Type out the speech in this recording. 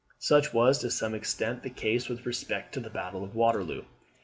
Such was to some extent the case with respect to the battle of Waterloo.